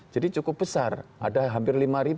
jadi cukup besar ada hampir lima